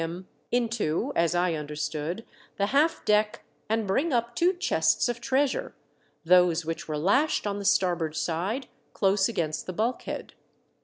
l8l him into — as I understood — the half deck and bring up two chests of treasure, those which were lashed on the starboard side, close against the bulkhead.